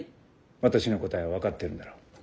私の答えは分かってるんだろう？